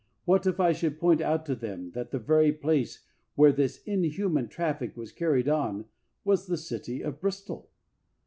What if I should point out to them that the very place where this inhuman traffic was carried on was the city of Bristol?